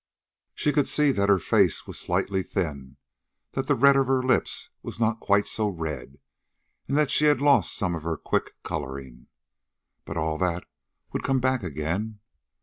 She could see that her face was slightly thin, that the red of her lips was not quite so red, and that she had lost some of her quick coloring. But all that would come back again.